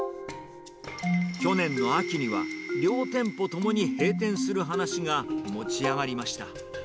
去年の秋には、両店舗ともに閉店する話が持ち上がりました。